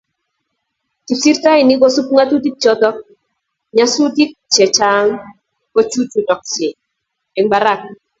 Kipsirtoinik kosub ngatutik choto nyasutik che chang kochuchuksei eng Barak.